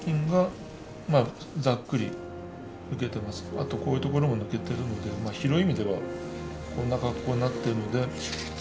あとこういう所も抜けてるので広い意味ではこんな格好になってるので。